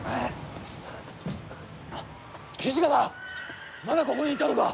土方、まだここにいたのか。